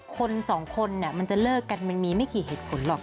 คนสองคนมันจะเลิกกันมันมีไม่กี่เหตุผลหรอก